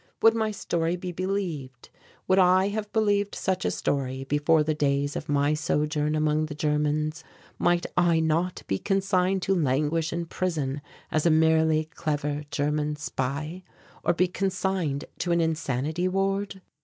Would my story be believed? Would I have believed such a story before the days of my sojourn among the Germans? Might I not be consigned to languish in prison as a merely clever German spy, or be consigned to an insanity ward?